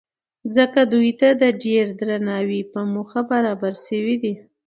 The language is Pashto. ځکه دوی ته د ډېر درناوۍ په موخه برابر شوي دي.